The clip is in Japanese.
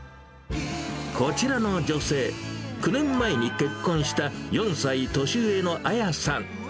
こちらの女性、９年前に結婚した４歳年上の朱さん。